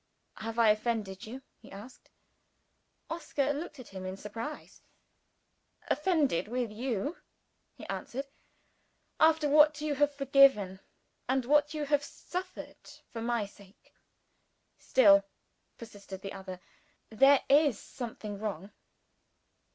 "Have I offended you?" he asked. Oscar looked at him in surprise. "Offended with you," he answered, "after what you have forgiven, and what you have suffered, for my sake?" "Still," persisted the other, "there is something wrong."